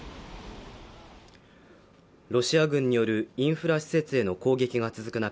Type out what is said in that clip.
ロシア軍によるインフラ施設への攻撃が続く中